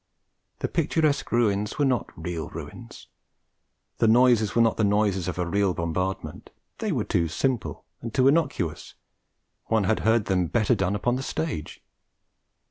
The picturesque ruins were not real ruins. The noises were not the noises of a real bombardment; they were too simple and too innocuous, one had heard them better done upon the stage.